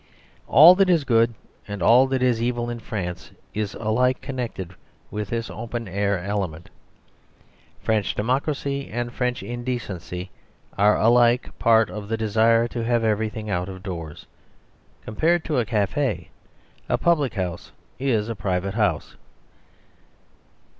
All that is good and all that is evil in France is alike connected with this open air element. French democracy and French indecency are alike part of the desire to have everything out of doors. Compared to a café, a public house is a private house.